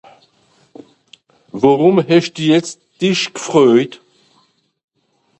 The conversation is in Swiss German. Worùm hesch mich jetz dìss gfröjt ?